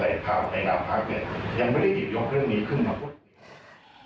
ในฐานะที่ผมแถลงภาพในงามพักยังไม่ได้หยุดยกเรื่องนี้ขึ้นมาพูด